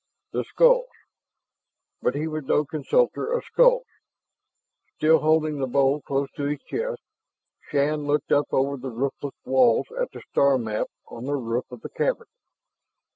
The skulls! But he was no consulter of skulls. Still holding the bowl close to his chest, Shann looked up over the roofless walls at the star map on the roof of the cavern.